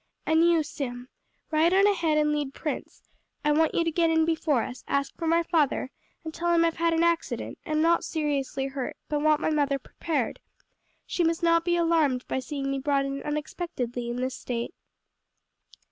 "And you, Sim, ride on ahead and lead Prince. I want you to get in before us, ask for my father and tell him I've had an accident; am not seriously hurt, but want my mother prepared. She must not be alarmed by seeing me brought in unexpectedly, in this state."